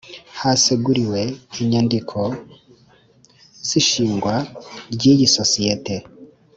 Haseguriwe inyandiko z ishingwa rya iyi isosiyete